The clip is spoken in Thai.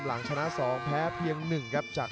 ฮีวอร์เป็นฮีวอร์เป็นฮีวอร์เป็นฮีวอร์เป็นฮีวอร์